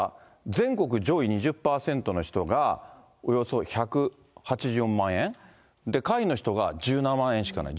全国上位２０％の人が、およそ１８４万円、で、下位の人が１７万円しかない。